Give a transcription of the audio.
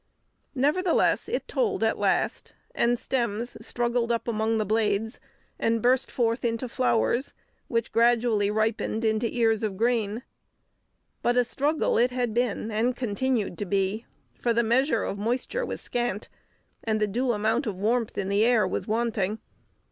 Nevertheless, it told at last, and stems struggled up among the blades, and burst forth into flowers, which gradually ripened into ears of grain. But a struggle it had been, and continued to be, for the measure of moisture was scant, and the due amount of warmth in the air was wanting.